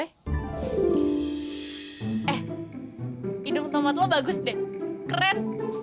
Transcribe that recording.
eh hidung tomat lo bagus deh keren